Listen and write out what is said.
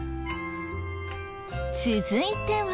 続いては。